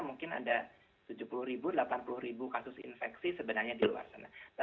mungkin ada tujuh puluh ribu delapan puluh ribu kasus infeksi sebenarnya di luar sana